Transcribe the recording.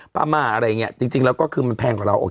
มาอะไรอย่างเงี้ยจริงแล้วก็คือมันแพงกว่าเรา